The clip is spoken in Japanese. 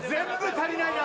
足りないな。